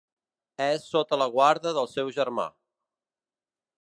És sota la guarda del seu germà.